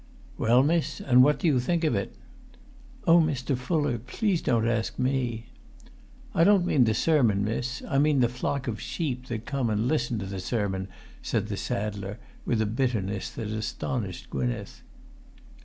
"Well, miss, and what do you think of it?" "Oh, Mr. Fuller, please don't ask me." "I don't mean the sermon, miss; I mean the flock of sheep that come and listened to the sermon," said the saddler, with a bitterness that astonished Gwynneth.